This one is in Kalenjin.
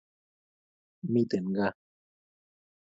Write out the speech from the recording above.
miten gaa